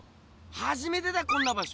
はじめてだこんな場所。